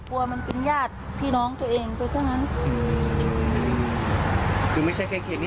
มันเป็นญาติพี่น้องตัวเองไปซะงั้นอืมคือไม่ใช่แค่เคสนี้